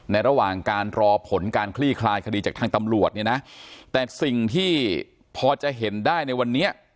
ระหว่างการรอผลการคลี่คลายคดีจากทางตำรวจเนี่ยนะแต่สิ่งที่พอจะเห็นได้ในวันนี้